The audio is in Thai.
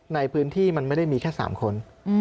ในพื้นที่มันไม่ได้มีแค่๓คน